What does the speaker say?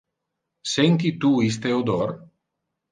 Senti tu iste odor?